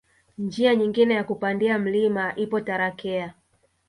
Njia nyingine ya kupandia mlima ipo Tarakea